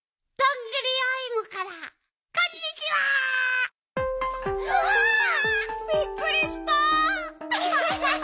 びっくりした！